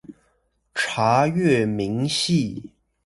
查閱明細